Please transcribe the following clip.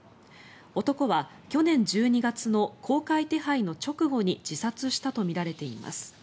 男は去年１２月の公開手配の直後に自殺したとみられています。